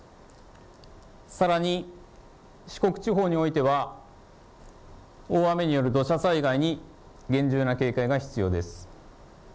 さらに四国地方においては大雨による土砂災害に厳重な警戒が必要です。